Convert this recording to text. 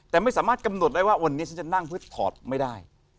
แต่ไม่สามารถกำหนดได้ว่าวันนี้ฉันจะนั่งเพื่อถอดไม่ได้